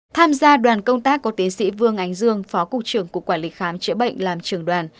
tham gia đoàn công tác có tiến sĩ vương ánh dương phó cục trưởng cục quản lý khám chữa bệnh làm trưởng đoàn